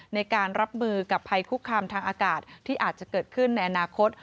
ในการรับมือกับภัยคุกคามทางอากาศที่อาจจะเกิดขึ้นในอนาคต